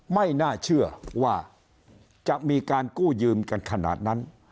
ไม่น่าเชื่อว่าจะมีการกู้ยืมกันขนาดนั้น